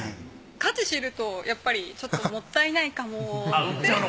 価値を知るとやっぱりちょっともったいないかもって。